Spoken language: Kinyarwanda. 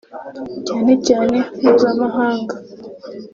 cyane cyane mpuzamahanga